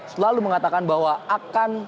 selalu mengatakan bahwa akan